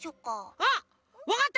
あっわかった！